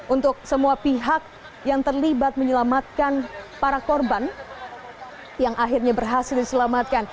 untuk semua pihak yang terlibat menyelamatkan para korban yang akhirnya berhasil diselamatkan